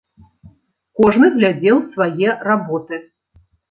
Кожны глядзеў свае работы.